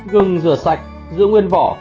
gừng rửa sạch giữ nguyên vỏ